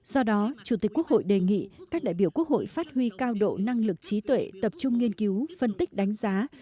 do đó chủ tịch quốc hội đề nghị các đại biểu quốc hội phát huy cao độ năng lực trí tuệ tập trung nghiên cứu phân tích đánh giá